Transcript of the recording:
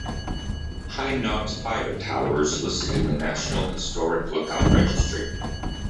High Knob's fire tower is listed in the National Historic Lookout Registry.